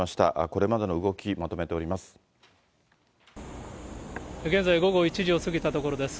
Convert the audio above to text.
これまでの動き、まとめております。